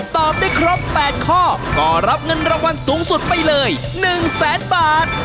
ตอบได้ครบ๘ข้อก็รับเงินรางวัลสูงสุดไปเลย๑แสนบาท